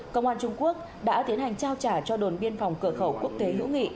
công an trung quốc đã tiến hành trao trả cho đồn biên phòng cửa khẩu quốc tế hữu nghị